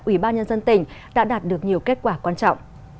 ủy ban nhân dân tỉnh đã đạt được nhiều kết quả quan trọng